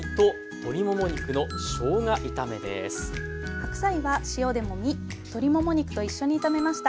白菜は塩でもみ鶏もも肉と一緒に炒めました。